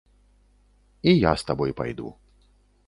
І я з табой пайду.